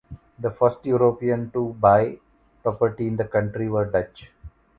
The first Europeans to buy property in the county were Dutch.